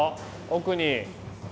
奥に。